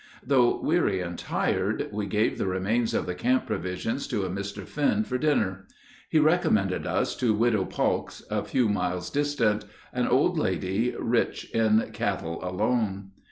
Though hungry and tired, we gave the remains of the camp provisions to a Mr. Fenn for dinner. He recommended us to Widow Paulk's, ten miles distant, an old lady rich in cattle alone.